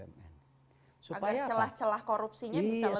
agar celah celah korupsinya bisa lebih ditutup gitu pak